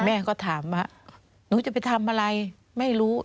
แม่ก็ถามว่าหนูจะไปทำอะไรไม่รู้